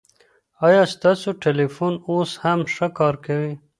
ایا ستاسو ټلېفون اوس هم ښه کار کوي؟